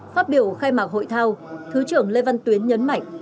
phát biểu khai mạc hội thao thứ trưởng lê văn tuyến nhấn mạnh